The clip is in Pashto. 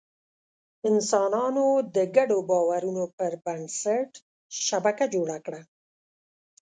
انسانانو د ګډو باورونو پر بنسټ شبکه جوړه کړه.